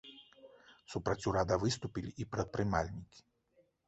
Супраць урада выступілі і прадпрымальнікі.